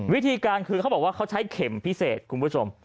วิธีการคือเขาบอกว่าเขาใช้เข็มพิเศษคุณผู้ชม